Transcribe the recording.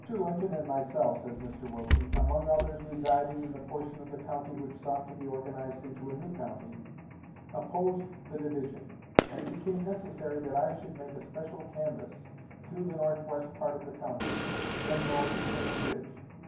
Lincoln and myself," says Mr. Wilson, "among others residing in the portion of the county which sought to be organized into a new county, opposed the division; and it became necessary that I should make a special canvass through the northwest part of the county, then known as Sand Ridge.